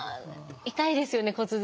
痛いですよね骨髄。